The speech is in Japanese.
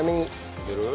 いける？